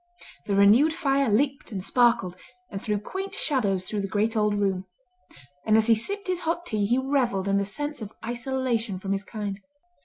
The renewed fire leaped and sparkled, and threw quaint shadows through the great old room; and as he sipped his hot tea he revelled in the sense of isolation from his kind.